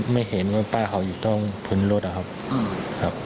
ไม่เห็นว่าป้ายเขาอยู่ตรงพื้นรถอะครับ